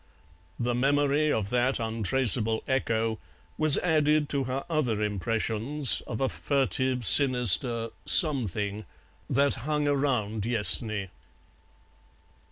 The memory of that untraceable echo was added to her other impressions of a furtive sinister "something" that hung around Yessney.